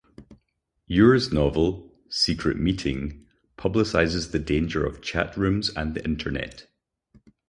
Ure's novel, "Secret Meeting", publicises the danger of chat rooms and the internet.